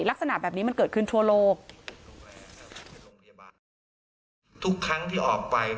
ลักษณะแบบนี้มันเกิดขึ้นทั่วโลก